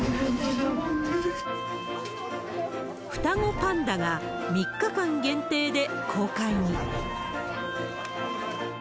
双子パンダが３日間限定で公開に。